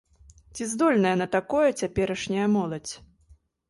Ці здольная на такое цяперашняя моладзь?